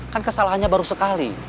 kan kesalahannya baru sekali